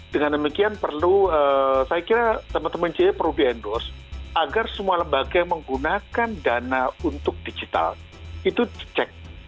dengan demikian perlu saya kira teman teman jaya perlu di endorse agar semua lembaga yang menggunakan dana untuk digital itu dicek